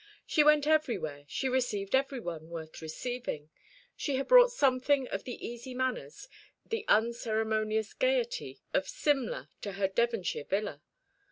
She went everywhere, she received every one worth receiving. She had brought something of the easy manners, the unceremonious gaiety, of Simla to her Devonshire villa.